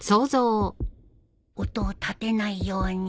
音を立てないように